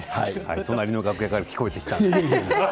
隣の楽屋から聞こえてきたのですね。